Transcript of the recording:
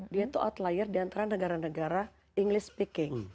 dia itu outlier di antara negara negara english speaking